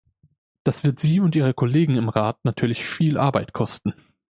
Das wird Sie und Ihre Kollegen im Rat natürlich viel Arbeit kosten.